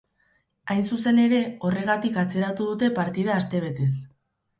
Hain zuzen ere, horregatik atzeratu dute partida astebetez.